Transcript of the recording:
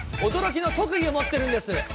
驚きの特技を持っているんです。